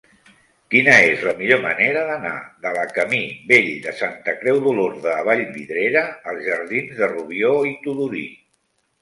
Quina és la millor manera d'anar de la camí Vell de Santa Creu d'Olorda a Vallvidrera als jardins de Rubió i Tudurí?